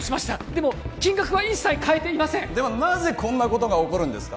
でも金額は一切変えていませんではなぜこんなことが起こるんですか？